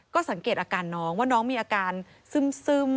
ก็สังเกตอาการน้องว่าน้องมีอาการซึม